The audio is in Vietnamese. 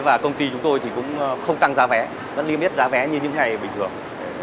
và công ty chúng tôi cũng không tăng giá vé nó liêm yết giá vé như những ngày bình thường